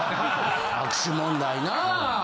握手問題なぁ。